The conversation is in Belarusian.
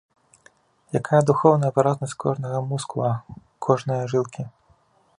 Якая духоўная выразнасць кожнага мускула, кожнае жылкі!